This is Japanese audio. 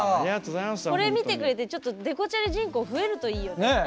これ見てくれてちょっとデコチャリ人口増えるといいよね。